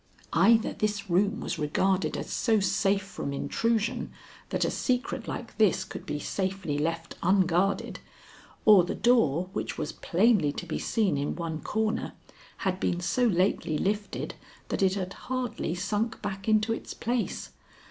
Either this room was regarded as so safe from intrusion that a secret like this could be safely left unguarded, or the door which was plainly to be seen in one corner had been so lately lifted, that it had hardly sunk back into its place.